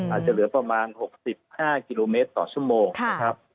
อาจจะเหลือประมาณ๖๕กิโลเมตรต่อชั่วโมงนะครับ